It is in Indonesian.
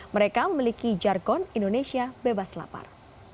mereka memiliki jargon indonesia bebas lapar